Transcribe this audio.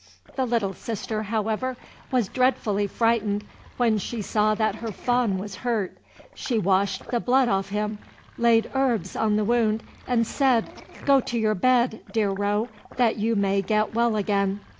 The little sister, however, was dreadfully frightened when she saw that her fawn was hurt. She washed the blood off him, laid herbs on the wound, and said, "Go to your bed, dear roe, that you may get well again."